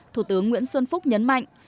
thủ tướng nguyễn xuân phúc nhấn mạnh